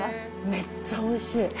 めっちゃおいしい。